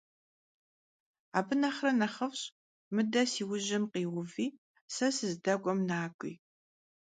Abı nexhre nexhıf'ş, mıde si vujım khiuvi se sızdek'uem nak'ui.